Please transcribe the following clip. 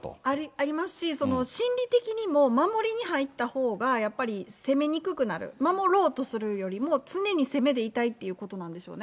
ありますし、その心理的にも守りに入ったほうが、やっぱり攻めにくくなる、守ろうとするよりも、常に攻めでいたいっていうことなんでしょうね。